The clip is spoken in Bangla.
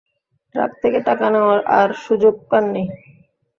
ট্রাক থেকে টাকা নেওয়ার আর সুযোগ পাননি।